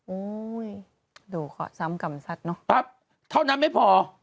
อุ้ยดูขอซ้ำกำซัดเนอะปั๊บเท่านั้นไม่พอ